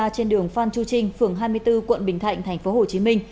trên đường phan chu trinh phường hai mươi bốn quận bình thạnh tp hcm